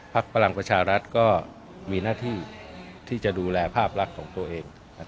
พลังประชารัฐก็มีหน้าที่ที่จะดูแลภาพลักษณ์ของตัวเอง